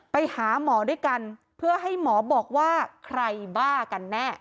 ไปหาหมอด้วยกันเพื่อให้หมอบอกว่าใครบ้ากันแน่